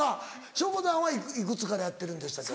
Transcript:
しょこたんはいくつからやってるんでしたっけ？